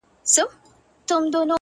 د زړه په كور كي دي بل كور جوړكړی؛